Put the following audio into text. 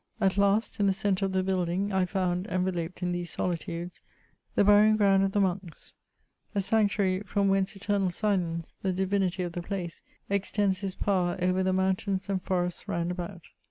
At last, in the centre of the building, I found, enveloped in these soli tudes, the burying ground of the monks ; a sanctuary from whence eternal silence, the divinity of the place, extends his power over the mountains and forests round about.